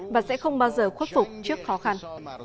và sẽ không bao giờ khuất phục trước khó khăn